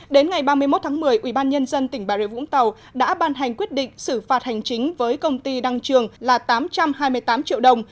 đến ngày ba mươi một tháng một mươi ubnd tỉnh bà rịa vũng tàu đã ban hành quyết định xử phạt hành chính với công ty đăng trường là tám trăm hai mươi tám triệu đồng